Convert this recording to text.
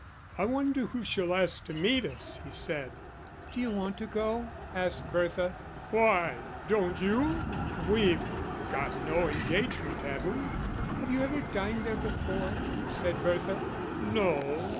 "I wonder who she'll ask to meet us," he said. "D'you want to go?" asked Bertha. "Why, don't you? We've got no engagement, have we?" "Have you ever dined there before?" said Bertha. "No.